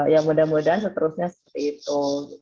ya mudah mudahan seterusnya seperti itu